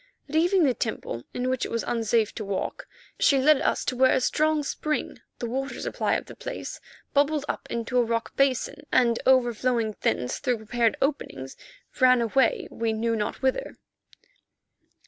Leaving the temple in which it was unsafe to walk, she led us to where a strong spring, the water supply of the place, bubbled up into a rock basin, and overflowing thence through prepared openings, ran away we knew not whither.